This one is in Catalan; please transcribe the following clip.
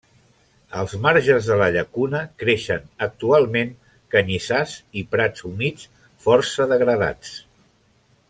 Als marges de la llacuna creixen actualment canyissars i prats humits, força degradats.